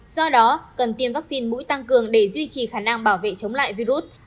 do đó cần tiêm vaccine mũi tăng cường để duy trì khả năng bảo vệ chống lại virus